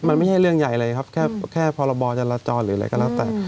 มันไม่ใช่เรื่องใหญ่เลยครับแค่พรบจราจรหรืออะไรก็แล้วแต่